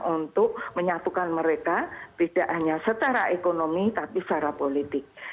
untuk menyatukan mereka tidak hanya secara ekonomi tapi secara politik